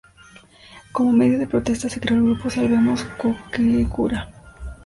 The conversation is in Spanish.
Como medio de protesta se creó el grupo Salvemos Cobquecura.